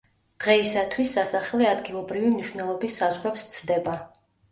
დღეისათვის, სასახლე ადგილობრივი მნიშვნელობის საზღვრებს სცდება.